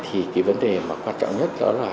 thì cái vấn đề mà quan trọng nhất đó là